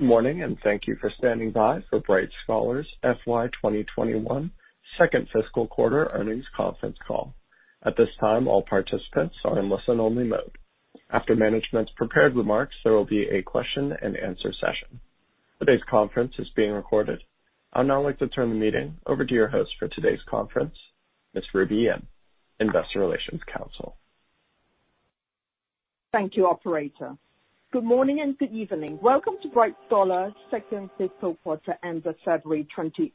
Morning, and thank you for standing by for Bright Scholar's FY 2021 second fiscal quarter earnings conference call. At this time, all participants are in listen-only mode. After management's prepared remarks, there will be a question-and-answer session. Today's conference is being recorded. I would now like to turn the meeting over to your host for today's conference, Ms. Ruby Yim, Investor Relations Counsel. Thank you, operator. Good morning and good evening. Welcome to Bright Scholar second fiscal quarter ends February 28,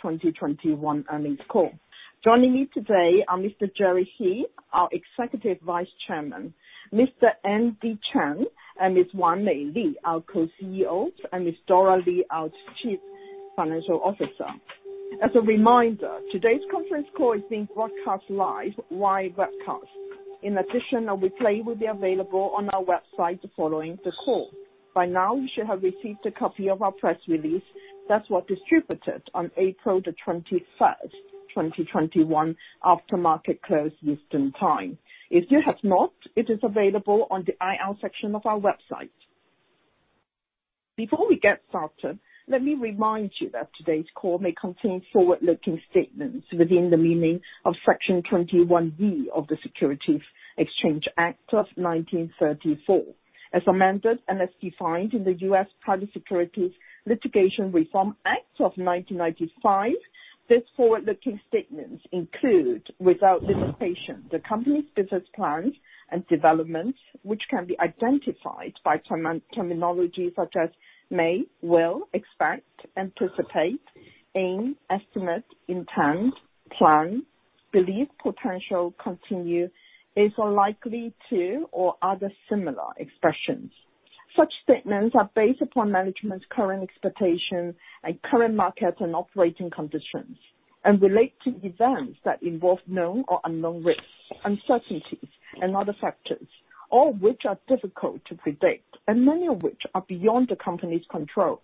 2021 earnings call. Joining me today are Mr. Jerry He, our Executive Vice Chairman, Mr. Andy Chen and Ms. Wanmei Li, our Co-CEOs, and Ms. Dora Li, our Chief Financial Officer. As a reminder, today's conference call is being broadcast live via webcast. In addition, a replay will be available on our website following the call. By now, you should have received a copy of our press release that was distributed on April the 21st, 2021 after market close Eastern Time. If you have not, it is available on the IR section of our website. Before we get started, let me remind you that today's call may contain forward-looking statements within the meaning of Section 21E of the Securities Exchange Act of 1934, as amended and as defined in the Private Securities Litigation Reform Act of 1995. These forward-looking statements include, without limitation, the company's business plans and developments, which can be identified by terminology such as may, will, expect, anticipate, aim, estimate, intend, plan, believe, potential, continue, is likely to, or other similar expressions. Such statements are based upon management's current expectations and current market and operating conditions, and relate to events that involve known or unknown risks, uncertainties and other factors, all which are difficult to predict, and many of which are beyond the company's control,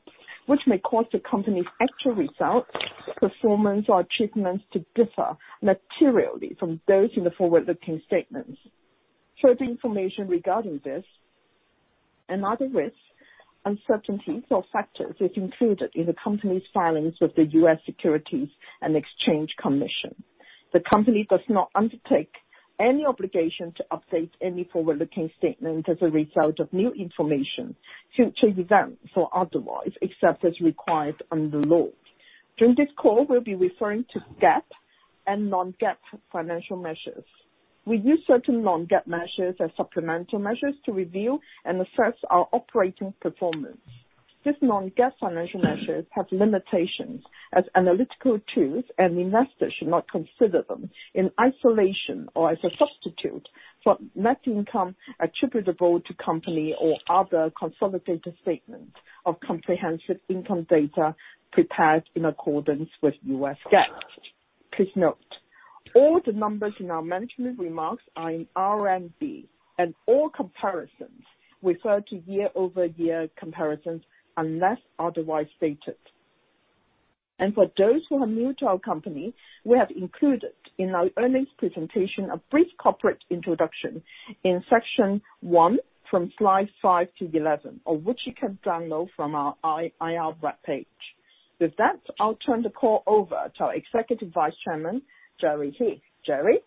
which may cause the company's actual results, performance or achievements to differ materially from those in the forward-looking statements. Further information regarding this and other risks, uncertainties or factors is included in the company's filings with the U.S. Securities and Exchange Commission. The company does not undertake any obligation to update any forward-looking statement as a result of new information, future events or otherwise, except as required under the law. During this call, we'll be referring to GAAP and non-GAAP financial measures. We use certain non-GAAP measures as supplemental measures to review and assess our operating performance. These non-GAAP financial measures have limitations as analytical tools, and investors should not consider them in isolation or as a substitute for net income attributable to company or other consolidated statements of comprehensive income data prepared in accordance with U.S. GAAP. Please note, all the numbers in our management remarks are in RMB, and all comparisons refer to year-over-year comparisons unless otherwise stated. For those who are new to our company, we have included in our earnings presentation a brief corporate introduction in Section 1 from slides 5-11, of which you can download from our IR web page. With that, I'll turn the call over to our Executive Vice Chairman, Jerry He. Jerry?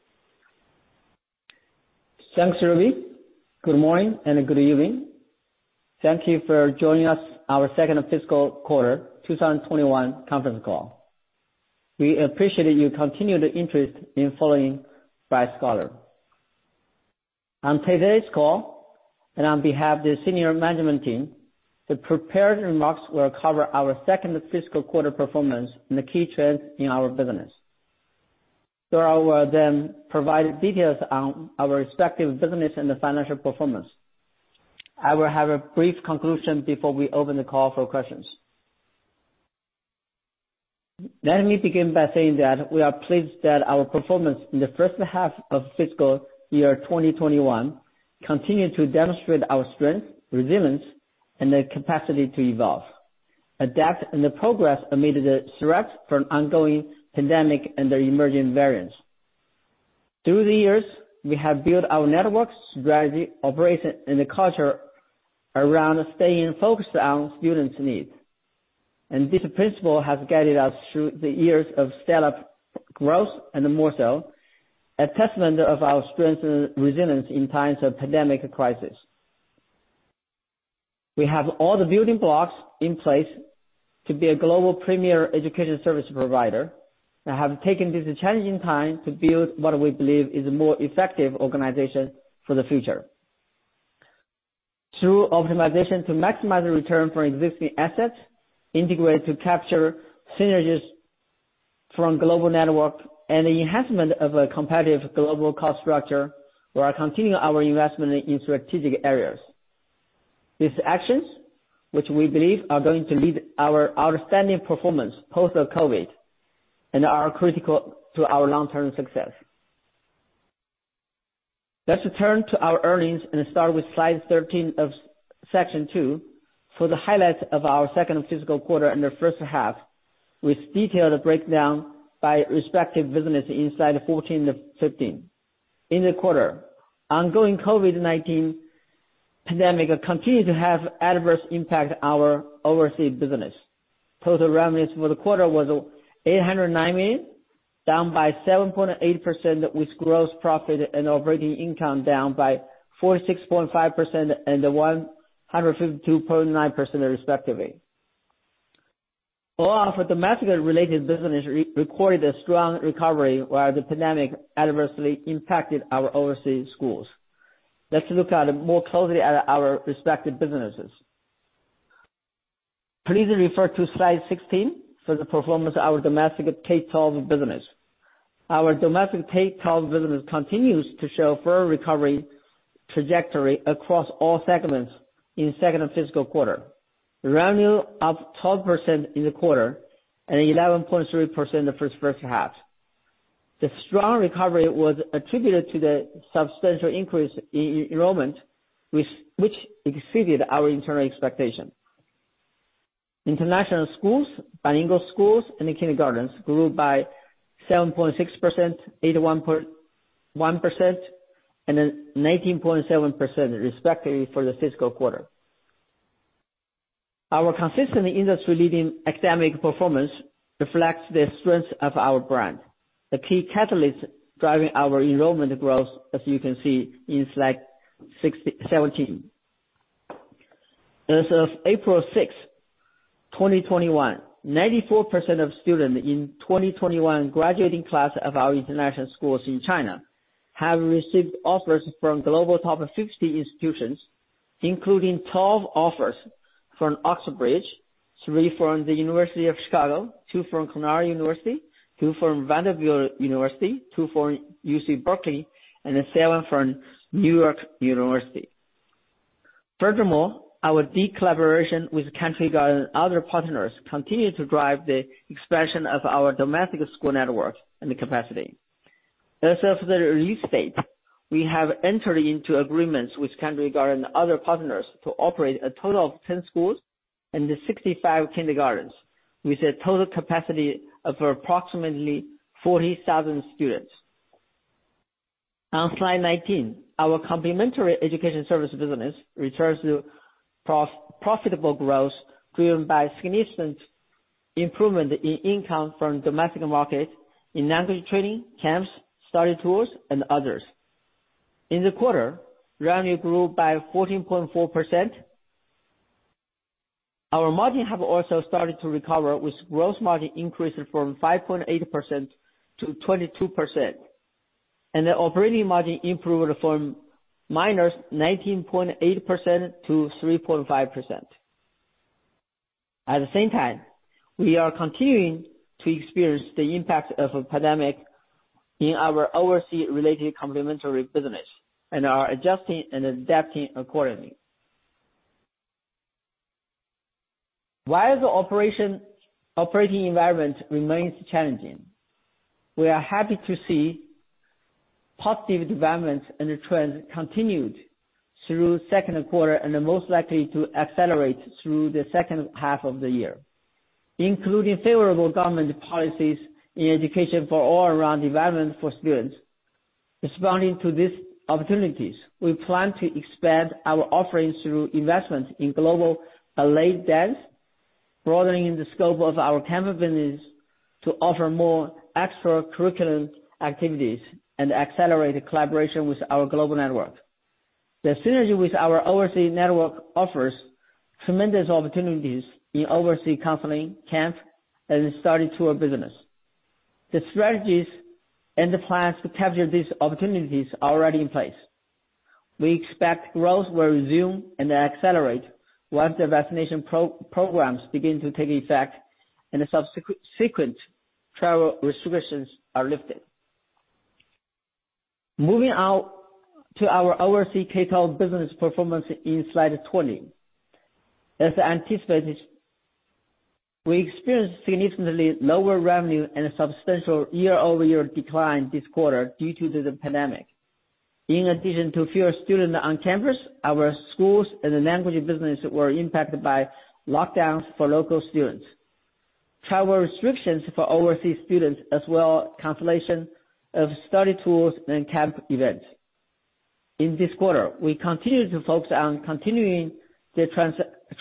Thanks, Ruby. Good morning and good evening. Thank you for joining us, our second fiscal quarter 2021 conference call. We appreciate you continued interest in following Bright Scholar. On today's call, and on behalf of the senior management team, the prepared remarks will cover our second fiscal quarter performance and the key trends in our business. Dora will then provide details on our respective business and the financial performance. I will have a brief conclusion before we open the call for questions. Let me begin by saying that we are pleased that our performance in the first half of fiscal year 2021 continued to demonstrate our strength, resilience, and the capacity to evolve, adapt and progress amid the threats from ongoing pandemic and the emerging variants. Through the years, we have built our networks, strategy, operation, and the culture around staying focused on students' needs and this principle has guided us through the years of steady growth and more so, a testament of our strength and resilience in times of pandemic crisis. We have all the building blocks in place to be a global premier education service provider, and have taken this challenging time to build what we believe is a more effective organization for the future. Through optimization to maximize the return for existing assets, integrate to capture synergies from global network, and the enhancement of a competitive global cost structure, we are continuing our investment in strategic areas. These actions, which we believe are going to lead our outstanding performance post-COVID-19, and are critical to our long-term success. Let's return to our earnings and start with slide 13 of Section 2 for the highlights of our second fiscal quarter and the first half, with detailed breakdown by respective business in slide 14-15. In the quarter, ongoing COVID-19 pandemic continued to have adverse impact our overseas business. Total revenues for the quarter was 809 million, down by 7.8%, with gross profit and operating income down by 46.5% and 152.9% respectively. All of the domestically related businesses recorded a strong recovery, while the pandemic adversely impacted our Overseas Schools. Let's look more closely at our respective businesses. Please refer to slide 16 for the performance of our Domestic K-12 business. Our Domestic K-12 business continues to show further recovery trajectory across all segments in second fiscal quarter. Revenue up 12% in the quarter, and 11.3% the first half. The strong recovery was attributed to the substantial increase in enrollment, which exceeded our internal expectation. International schools, bilingual schools, and the kindergartens grew by 7.6%, 81.1%, and then 19.7% respectively for the fiscal quarter. Our consistent industry-leading academic performance reflects the strength of our brand, the key catalyst driving our enrollment growth, as you can see in slide 17. As of April 6th, 2021, 94% of students in 2021 graduating class of our international schools in China, have received offers from Global Top 50 institutions, including 12 offers from Oxbridge, three from the University of Chicago, two from Cornell University, two from Vanderbilt University, two from UC Berkeley, and seven from New York University. Furthermore, our deep collaboration with Country Garden and other partners continue to drive the expansion of our domestic school network and the capacity. As of the release date, we have entered into agreements with Country Garden, other partners, to operate a total of 10 schools and 65 kindergartens, with a total capacity of approximately 40,000 students. On slide 19, our Complementary education Service business returns to profitable growth, driven by significant improvement in income from domestic market in language training, camps, study tours, and others. In the quarter, revenue grew by 14.4%. Our margin have also started to recover, with gross margin increasing from 5.8% to 22%, and the operating margin improved from -19.8% to 3.5%. At the same time, we are continuing to experience the impact of the pandemic in our overseas-related complimentary business, and are adjusting and adapting accordingly. While the operating environment remains challenging, we are happy to see positive developments and trends continued through second quarter, and are most likely to accelerate through the second half of the year, including favorable government policies in education for all-around development for students. Responding to these opportunities, we plan to expand our offerings through investment in global elite dance, broadening the scope of our camp business to offer more extracurricular activities and accelerate collaboration with our global network. The synergy with our overseas network offers tremendous opportunities in overseas counseling, camp, and study tour business. The strategies and the plans to capture these opportunities are already in place. We expect growth will resume and accelerate once the vaccination programs begin to take effect, and subsequent travel restrictions are lifted. Moving on to our Overseas K-12 business performance in slide 20. As anticipated, we experienced significantly lower revenue and a substantial year-over-year decline this quarter due to the pandemic. In addition to fewer students on campus, our schools and the language business were impacted by lockdowns for local students, travel restrictions for overseas students, as well cancellation of study tours and camp events. In this quarter, we continued to focus on continuing the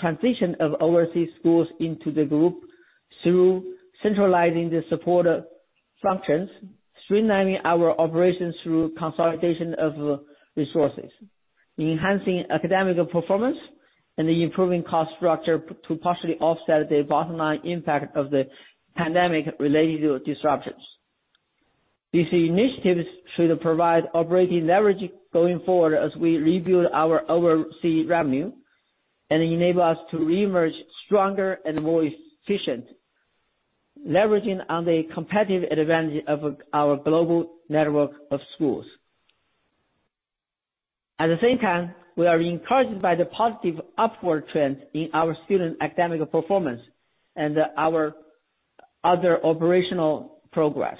transition of Overseas Schools into the group through centralizing the support functions, streamlining our operations through consolidation of resources, enhancing academic performance, and improving cost structure to partially offset the bottom line impact of the pandemic-related disruptions. These initiatives should provide operating leverage going forward as we rebuild our overseas revenue, and enable us to reemerge stronger and more efficient, leveraging on the competitive advantage of our global network of schools. At the same time, we are encouraged by the positive upward trend in our student academic performance and our other operational progress.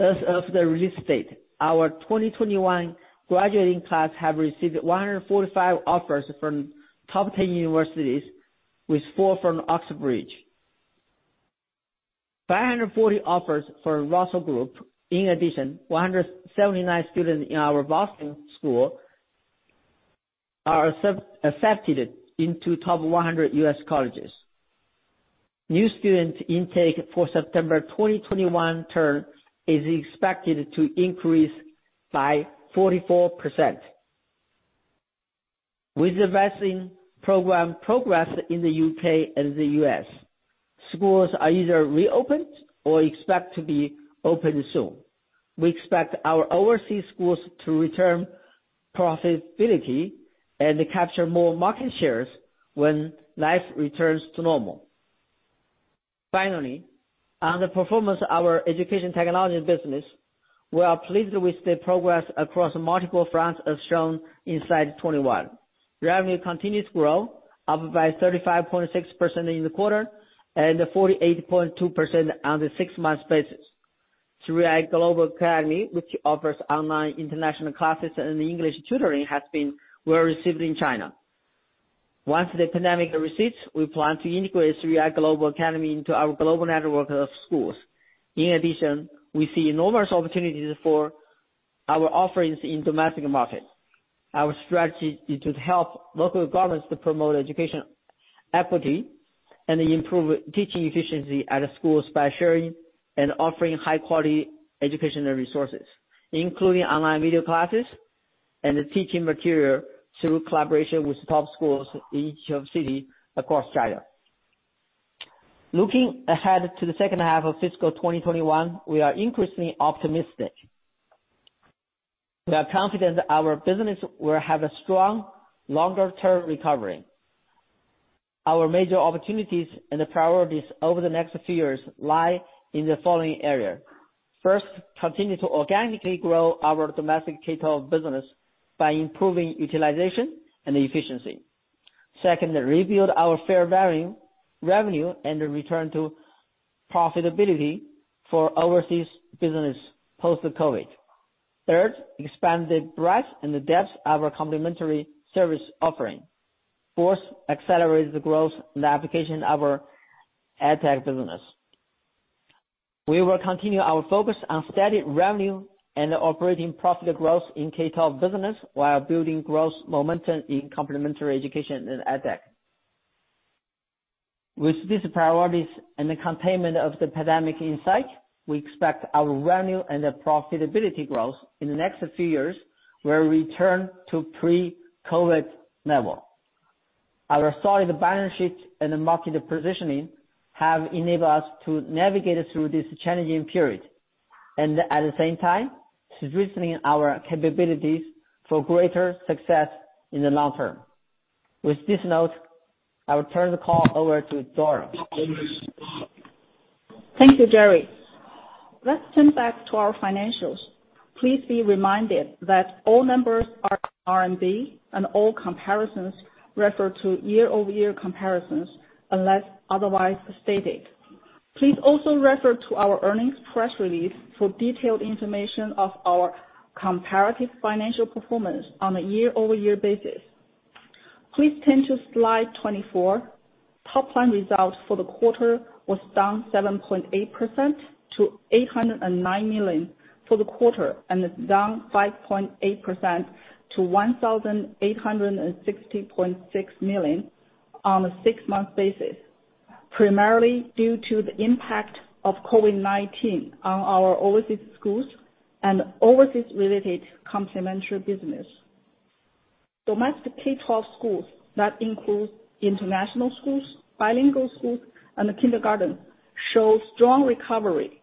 As of the release date, our 2021 graduating class have received 145 offers from top 10 universities, with four from Oxbridge. 540 offers for Russell Group. In addition, 179 students in our Boston school are accepted into top 100 U.S. colleges. New student intake for September 2021 term is expected to increase by 44%. With the vaccine program progress in the U.K. and the U.S., schools are either reopened or expect to be opened soon. We expect our Overseas Schools to return profitability and capture more market shares when life returns to normal. Finally, on the performance of our Education Technology business, we are pleased with the progress across multiple fronts as shown in slide 21. Revenue continues to grow up by 35.6% in the quarter, and 48.2% on the six months basis. 3i Global Academy, which offers online international classes and English tutoring, has been well received in China. Once the pandemic recedes, we plan to integrate 3i Global Academy into our global network of schools. In addition, we see enormous opportunities for our offerings in domestic market. Our strategy is to help local governments to promote education equity, and improve teaching efficiency at schools by sharing and offering high-quality educational resources, including online video classes and teaching material through collaboration with top schools in each city across China. Looking ahead to the second half of fiscal 2021, we are increasingly optimistic. We are confident our business will have a strong longer-term recovery. Our major opportunities and priorities over the next few years lie in the following area. First, continue to organically grow our Domestic K-12 business by improving utilization and efficiency. Second, rebuild our fee-bearing revenue and return to profitability for overseas business post-COVID. Third, expand the breadth and the depth of our complimentary service offering. Fourth, accelerate the growth and application of our edtech business. We will continue our focus on steady revenue and operating profit growth in K-12 business while building growth momentum in Complementary education and edtech. With these priorities and the containment of the pandemic in sight, we expect our revenue and profitability growth in the next few years will return to pre-COVID level. Our solid balance sheet and market positioning have enabled us to navigate through this challenging period, and at the same time, strengthening our capabilities for greater success in the long term. With this note, I will turn the call over to Dora. Thank you, Jerry He. Let's turn back to our financials. Please be reminded that all numbers are RMB and all comparisons refer to year-over-year comparisons unless otherwise stated. Please also refer to our earnings press release for detailed information of our comparative financial performance on a year-over-year basis. Please turn to slide 24. Top-line results for the quarter was down 7.8% to 809 million for the quarter, and is down 5.8% to 1,860.6 million on a six-month basis, primarily due to the impact of COVID-19 on our Overseas Schools and overseas-related complimentary business. Domestic K-12 schools, that includes international schools, bilingual schools, and kindergarten, show strong recovery.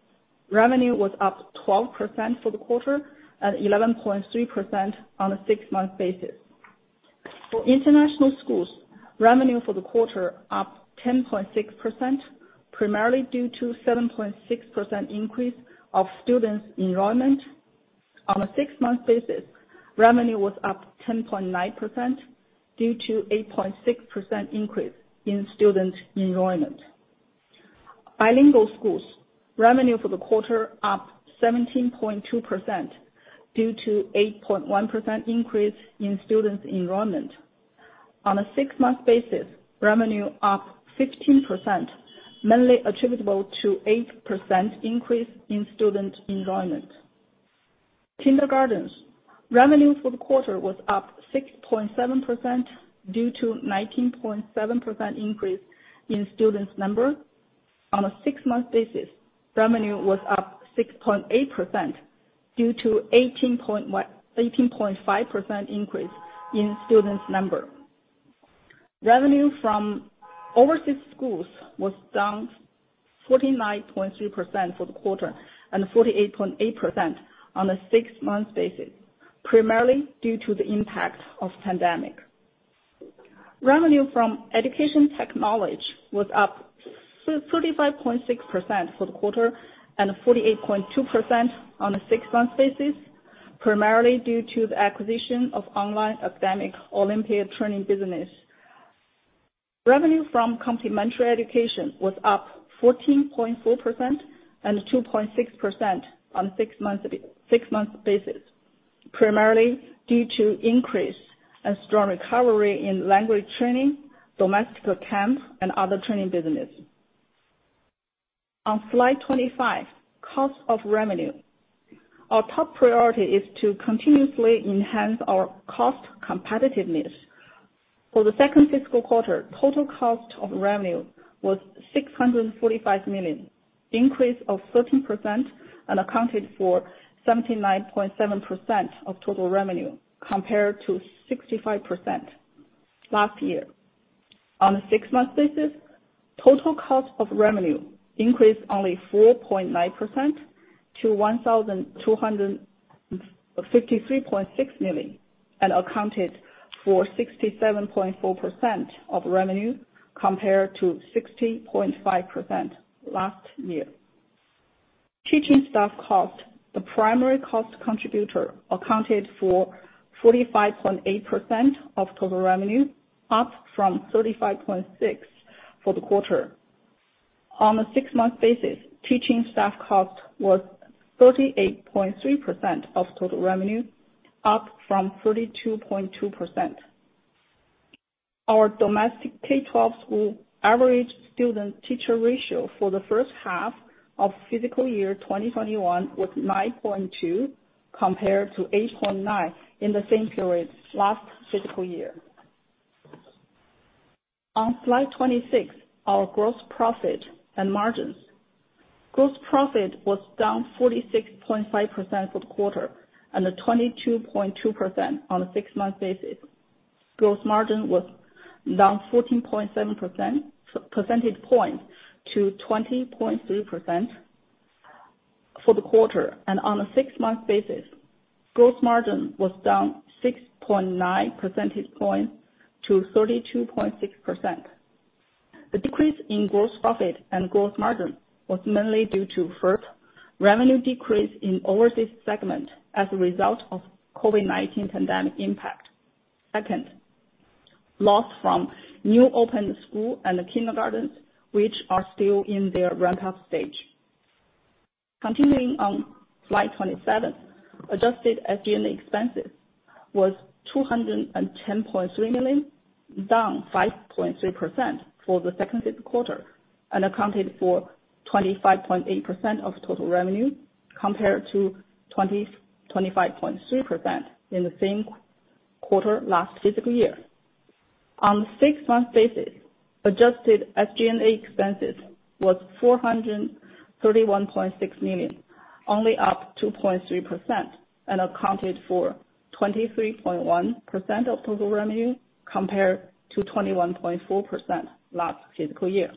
Revenue was up 12% for the quarter and 11.3% on a six-month basis. For international schools, revenue for the quarter up 10.6%, primarily due to 7.6% increase of students enrollment. On a six-month basis, revenue was up 10.9% due to 8.6% increase in student enrollment. Bilingual schools, revenue for the quarter up 17.2% due to 8.1% increase in students enrollment. On a six-month basis, revenue up 15%, mainly attributable to 8% increase in student enrollment. Kindergartens, revenue for the quarter was up 6.7% due to 19.7% increase in students number. On a six-month basis, revenue was up 6.8% due to 18.5% increase in students number. Revenue from Overseas Schools was down 49.3% for the quarter and 48.8% on a six-month basis, primarily due to the impact of pandemic. Revenue from Education Technology was up 35.6% for the quarter and 48.2% on a six-month basis, primarily due to the acquisition of online academic Olympiad training business. Revenue from Complementary education was up 14.4% and 2.6% on a six-month basis. Primarily due to increase and strong recovery in language training, domestic camp and other training business. On slide 25, cost of revenue. Our top priority is to continuously enhance our cost competitiveness. For the second fiscal quarter, total cost of revenue was 645 million, increase of 13% and accounted for 79.7% of total revenue, compared to 65% last year. On a six-month basis, total cost of revenue increased only 4.9% to 1,253.6 million and accounted for 67.4% of revenue, compared to 60.5% last year. Teaching staff cost, the primary cost contributor accounted for 45.8% of total revenue, up from 35.6% for the quarter. On a six-month basis, teaching staff cost was 38.3% of total revenue, up from 32.2%. Our Domestic K-12 school average student-teacher ratio for the first half of fiscal year 2021 was 9.2, compared to 8.9 in the same period last fiscal year. On slide 26, our gross profit and margins. Gross profit was down 46.5% for the quarter and 22.2% on a six-month basis. Gross margin was down 14.7 percentage point to 20.3% for the quarter. On a six-month basis, gross margin was down 6.9 percentage point to 32.6%. The decrease in gross profit and gross margin was mainly due to, first, revenue decrease in overseas segment as a result of COVID-19 pandemic impact. Second, loss from new open school and kindergartens, which are still in their ramp-up stage. Continuing on slide 27, adjusted SG&A expenses was 210.3 million, down 5.3% for the second fiscal quarter and accounted for 25.8% of total revenue, compared to 25.3% in the same quarter last fiscal year. On the six-month basis, adjusted SG&A expenses was 431.6 million, only up 2.3% and accounted for 23.1% of total revenue, compared to 21.4% last fiscal year.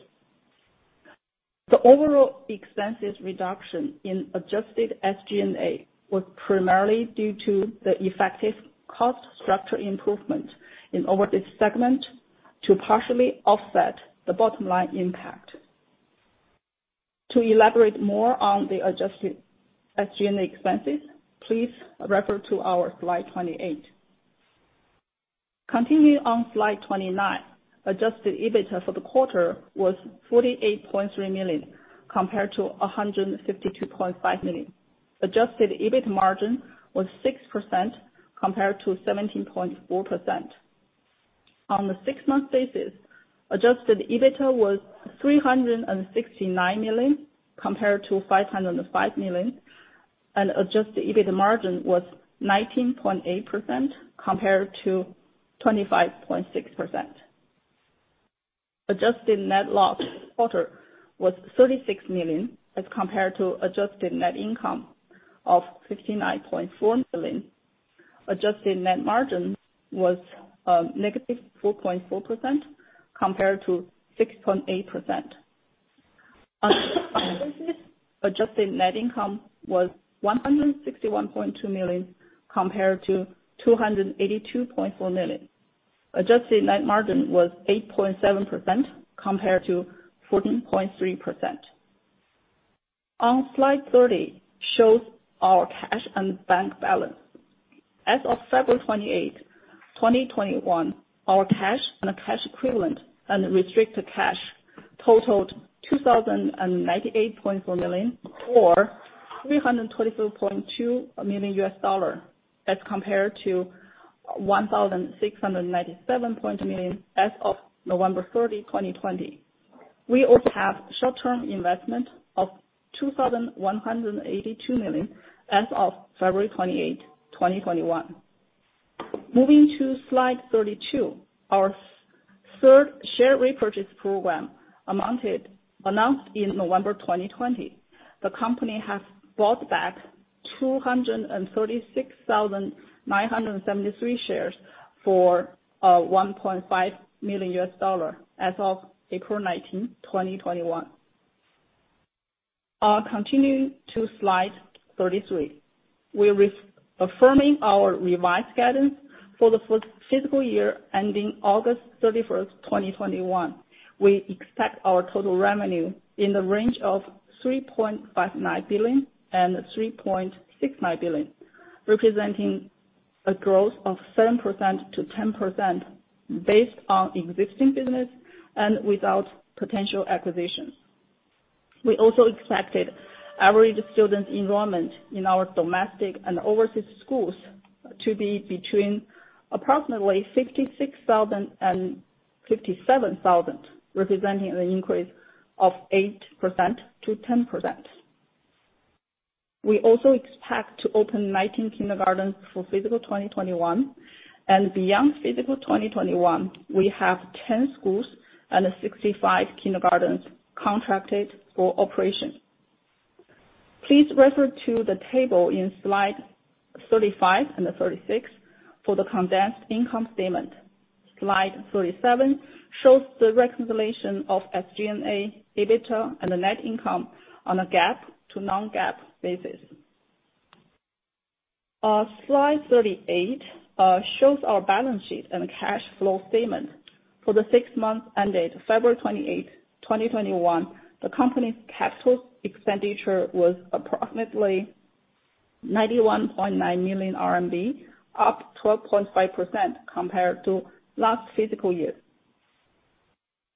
The overall expenses reduction in adjusted SG&A was primarily due to the effective cost structure improvement in order this segment to partially offset the bottom line impact. To elaborate more on the adjusted SG&A expenses, please refer to our slide 28. Continuing on slide 29. Adjusted EBITDA for the quarter was 48.3 million, compared to 152.5 million. Adjusted EBITDA margin was 6%, compared to 17.4%. On the six-month basis, adjusted EBITDA was 369 million compared to 505 million and adjusted EBITDA margin was 19.8%, compared to 25.6%. Adjusted net loss quarter was 36 million as compared to adjusted net income of 59.4 million. Adjusted net margin was a -4.4%, compared to 6.8%. Adjusted net income was 161.2 million, compared to 282.4 million. Adjusted net margin was 8.7%, compared to 14.3%. On slide 30, shows our cash and bank balance. As of February 28, 2021, our cash and cash equivalent and restricted cash totaled 2,098.4 million or $324.2 million as compared to 1,697 million as of November 30, 2020. We also have short-term investment of $2,182 million as of February 28, 2021. Moving to slide 32, our share repurchase program announced in November 2020. The company has bought back 236,973 shares for $1.5 million as of April 19, 2021. Continue to slide 33. We're affirming our revised guidance for the fiscal year ending August 31st, 2021. We expect our total revenue in the range of 3.59 billion and 3.69 billion, representing a growth of 7%-10% based on existing business and without potential acquisitions. We also expected average student enrollment in our domestic and overseas schools to be between approximately 66,000 and 67,000, representing an increase of 8%-10%. We also expect to open 19 kindergartens for fiscal 2021, and beyond fiscal 2021, we have 10 schools and 65 kindergartens contracted for operation. Please refer to the table in slide 35 and 36 for the condensed income statement. Slide 37 shows the reconciliation of SG&A, EBITDA, and the net income on a GAAP to non-GAAP basis. Slide 38 shows our balance sheet and cash flow statement. For the six months ended February 28, 2021, the company's capital expenditure was approximately 91.9 million RMB, up 12.5% compared to last fiscal year.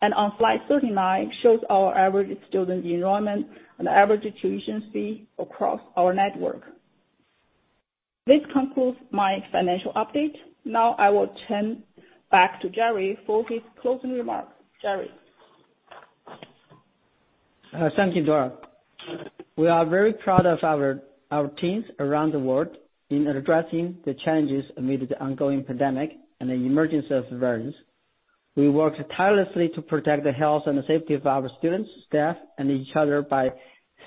Our slide 39 shows our average student enrollment and average tuition fee across our network. This concludes my financial update. Now, I will turn back to Jerry for his closing remarks. Jerry? Thank you, Dora. We are very proud of our teams around the world in addressing the challenges amid the ongoing pandemic and the emergence of variants. We worked tirelessly to protect the health and safety of our students, staff, and each other by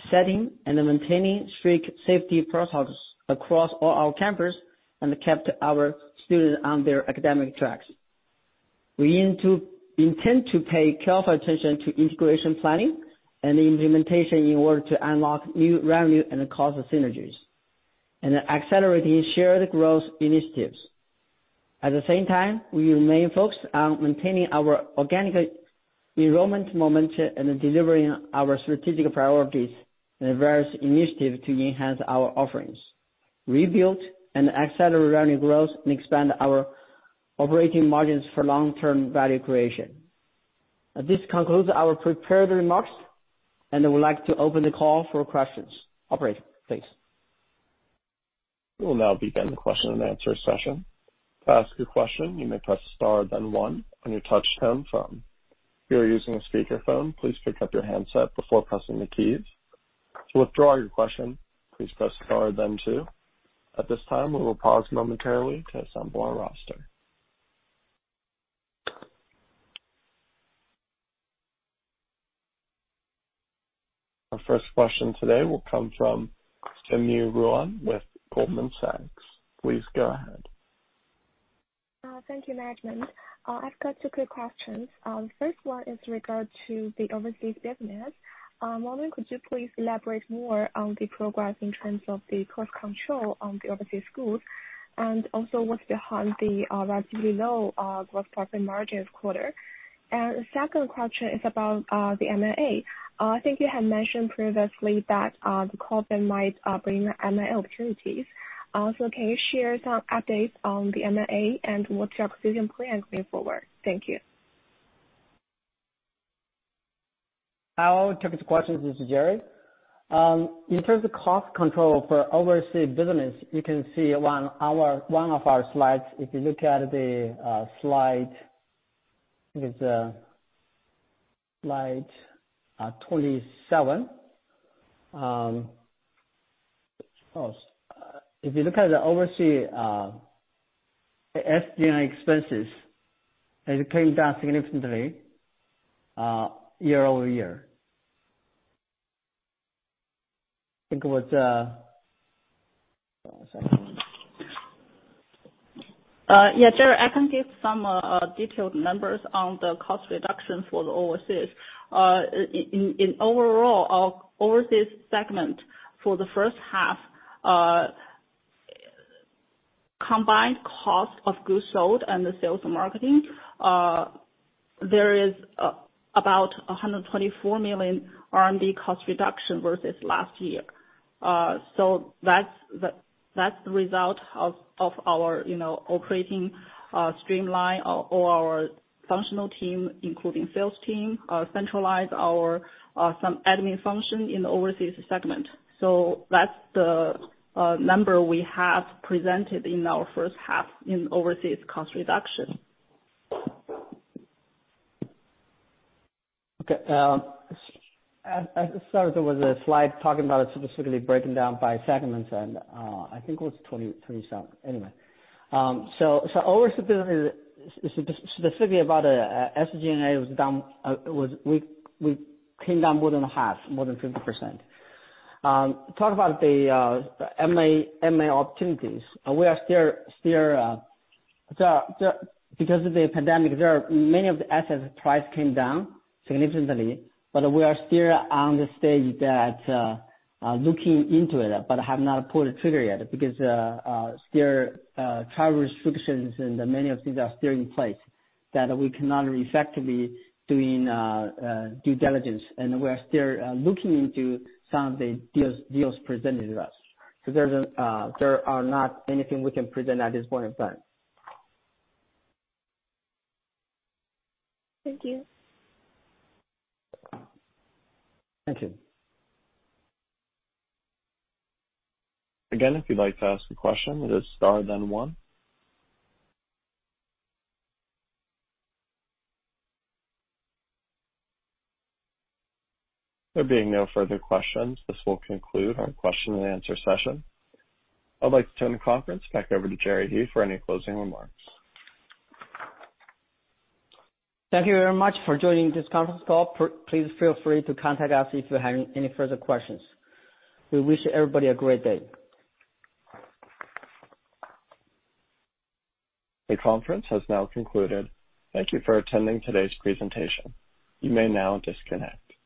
setting and maintaining strict safety protocols across all our campuses, and kept our students on their academic tracks. We intend to pay careful attention to integration planning and implementation in order to unlock new revenue and cost synergies, and accelerating shared growth initiatives. At the same time, we remain focused on maintaining our organic enrollment momentum and delivering our strategic priorities and various initiatives to enhance our offerings, rebuild and accelerate revenue growth, and expand our operating margins for long-term value creation. This concludes our prepared remarks, and I would like to open the call for questions. Operator, please. We will now begin the question-and-answer session. To ask your question, you may press star then one on your touchtone phone. If you're using a speaker phone please pick up your handset before pressing the keys. To withdraw your question, please press star then two. At thistime we will pause momentarily to see some of our roster. Our first question today will come from Simyu Ruan with Goldman Sachs. Please go ahead. Thank you, management. I've got two quick questions. First one is regard to the Overseas business. One, could you please elaborate more on the progress in terms of the cost control on the Overseas Schools, and also what's behind the relatively low gross profit margin this quarter? The second question is about the M&A. I think you had mentioned previously that the COVID-19 might bring M&A opportunities. Can you share some updates on the M&A and what's your acquisition plan going forward? Thank you. I will take the questions. This is Jerry. In terms of cost control for Overseas business, you can see on one of our slides, if you look at slide 27. If you look at the Overseas SG&A expenses, it came down significantly year-over-year. I think it was- one second. Jerry, I can give some detailed numbers on the cost reduction for the overseas. Overall, our Overseas segment for the first half, combined cost of goods sold and the sales and marketing, there is about 124 million RMB cost reduction versus last year. That's the result of our operating streamline, or our functional team, including sales team, centralized some admin function in the Overseas segment. That's the number we have presented in our first half in Overseas cost reduction. Okay. I thought there was a slide talking about it specifically broken down by segments, and I think it was 27. Anyway, specifically about SG&A, we came down more than half, more than 50%. Talk about the M&A opportunities. Because of the pandemic, many of the assets price came down significantly, but we are still on the stage that looking into it, but have not pulled the trigger yet, because there are travel restrictions and many of these are still in place, that we cannot effectively do due diligence and we are still looking into some of the deals presented to us. There are not anything we can present at this point in time. Thank you. Thank you. Again, if you'd like to ask a question, it is star, then one. There being no further questions, this will conclude our question-and-answer session. I'd like to turn the conference back over to Jerry He for any closing remarks. Thank you very much for joining this conference call. Please feel free to contact us if you have any further questions. We wish everybody a great day. The conference has now concluded. Thank you for attending today's presentation. You may now disconnect.